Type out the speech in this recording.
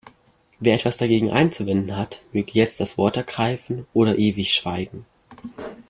Wer etwas dagegen einzuwenden hat, möge jetzt das Wort ergreifen oder ewig schweigen.